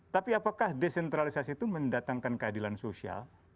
tapi apakah desentralisasi itu mendatangkan keadilan sosial